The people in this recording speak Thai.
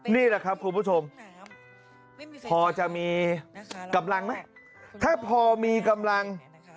นี่แหละครับคุณผู้ชมพอจะมีกำลัง